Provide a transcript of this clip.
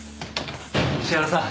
石原さん。